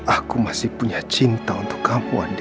aku masih punya cinta untuk kamu only